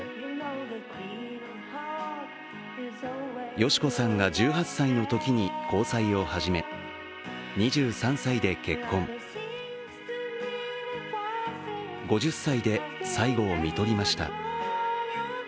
敏子さんが１８歳のときに交際を始め、２３歳で結婚、５０歳で最期を看取りました。